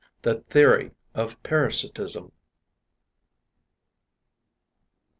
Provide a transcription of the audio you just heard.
THE THEORY OF PARASITISM.